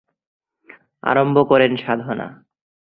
আরম্ভ করেন সাধনা।